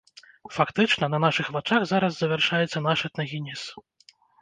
Фактычна, на нашых вачах зараз завяршаецца наш этнагенез.